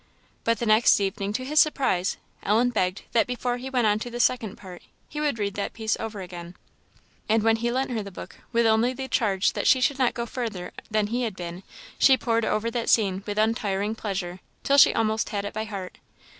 But the next evening, to his surprise, Ellen begged that before he went on to the second part, he would read that piece over again. And when he lent her the book, with only the charge that she should not go further than he had been, she pored over that scene with untiring pleasure, till she almost had it by heart.